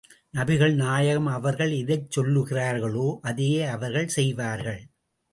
நபிகள் நாயகம் அவர்கள் எதைச் சொல்லுகிறார்களோ, அதையே அவர்கள் செய்வார்கள்.